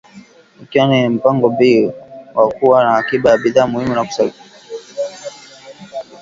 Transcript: Ikiwa na mpango B wa kuwa na akiba ya bidhaa muhimu na kubadilisha njia usafarishaji bidhaa kupitia Tanzania